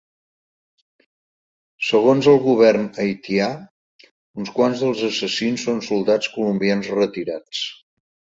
Segons el govern haitià, uns quants dels assassins són soldats colombians retirats.